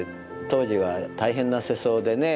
当時は大変な世相でね。